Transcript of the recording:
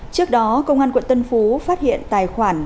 trước đó công an quận tân phú phát hiện tài khoản